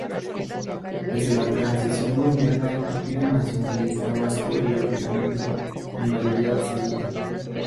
Desde la transición gobierna el Partido Nacionalista Vasco el Ayuntamiento, con mayoría absoluta.